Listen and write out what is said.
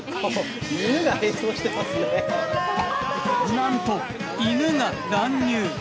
なんと、犬が乱入！